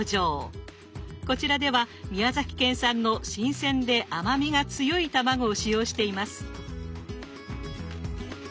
こちらでは宮崎県産の新鮮で甘みが強い卵を使用しています。